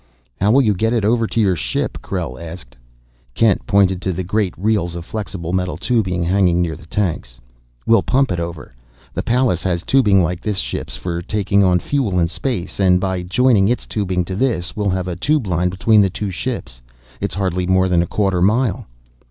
"How will you get it over to your ship?" Krell asked. Kent pointed to great reels of flexible metal tubing hanging near the tanks. "We'll pump it over. The Pallas has tubing like this ship's, for taking on fuel in space, and, by joining its tubing to this, we'll have a tube line between the two ships. It's hardly more than a quarter mile."